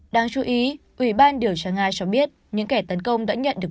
đáng chú ý ủy ban điều tra nga cho biết những kẻ tấn công đã nhận được